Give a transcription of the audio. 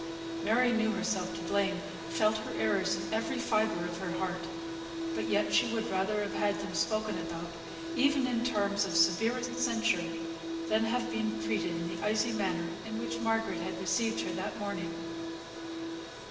Mary knew herself to blame; felt her errors in every fibre of her heart; but yet she would rather have had them spoken about, even in terms of severest censure, than have been treated in the icy manner in which Margaret had received her that morning.